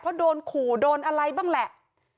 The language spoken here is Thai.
เพราะโดนขู่โดนอะไรบ้างแหละ